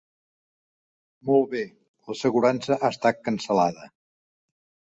Molt bé, l'assegurança ha estat cancel·lada.